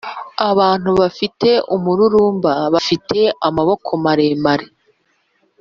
abantu bafite umururumba bafite amaboko maremare